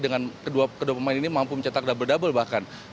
dengan kedua pemain ini mampu mencetak double double bahkan